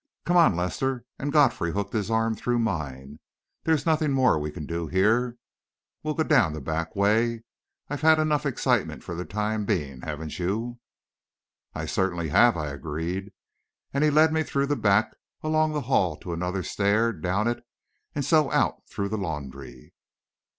"Come on, Lester," and Godfrey hooked his arm through mine. "There's nothing more we can do here. We'll go down the back way. I've had enough excitement for the time being haven't you?" "I certainly have," I agreed, and he led the way back along the hall to another stair, down it and so out through the laundry.